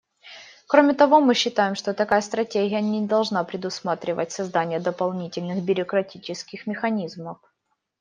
Кроме того, мы считаем, что такая стратегия не должна предусматривать создание дополнительных бюрократических механизмов.